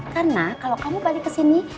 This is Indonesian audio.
karena kalau kamu balik ke sini